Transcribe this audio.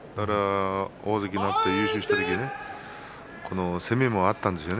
大関になって優勝をした時にいい攻めもあったんですね